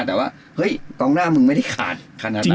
แต่ว่าเฮ้ยกองหน้ามึงไม่ได้ขาดขนาดนั้น